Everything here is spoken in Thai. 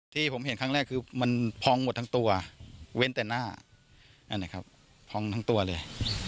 ที่ผมเห็นครั้งแรกคือมันพองหมดทั้งตัวเว้นแต่หน้านั่นนะครับพองทั้งตัวเลย